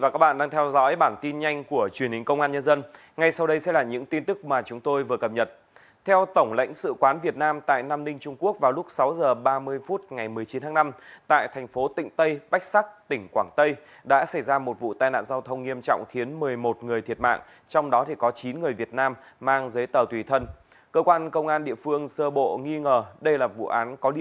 cảm ơn các bạn đã theo dõi